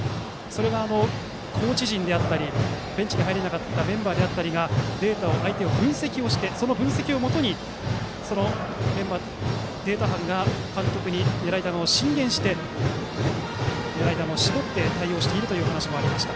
それがコーチ陣であったりベンチに入れなかったメンバーであったりがデータを見て、相手の分析をしてその分析をもとにデータ班が監督に狙い球を進言して狙い球を絞って対応していると話していました。